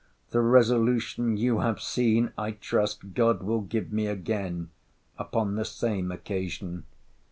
The resolution you have seen, I trust, God will give me again, upon the same occasion.